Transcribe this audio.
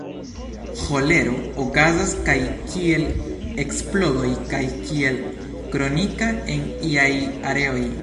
Ĥolero okazas kaj kiel eksplodoj kaj kiel kronika en iaj areoj.